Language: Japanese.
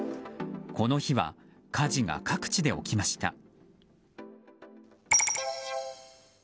この日は火事が各地で起きました。